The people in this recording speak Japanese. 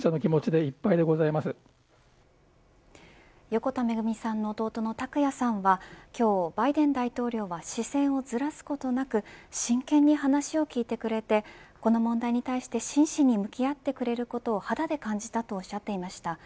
横田めぐみさんの弟の拓也さんは今日、バイデン大統領は視線をずらすことなく真剣に話を聞いてくれてこの問題に対して真摯に向き合ってくれることを肌で感じたとおっしゃっていました。